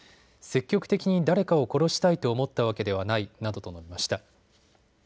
積極的に誰かを殺したいと思ったわけではないなどと述べました。